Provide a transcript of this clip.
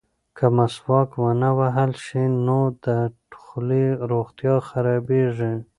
که مسواک ونه وهل شي نو د خولې روغتیا خرابیږي.